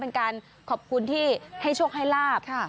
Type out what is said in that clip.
เป็นการขอบคุณที่ให้โชคให้ลาบ